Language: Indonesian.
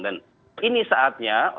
dan ini saatnya oleh